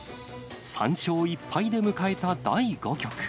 ３勝１敗で迎えた第５局。